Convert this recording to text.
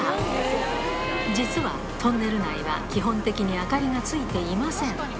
実はトンネル内は基本的に明かりがついていません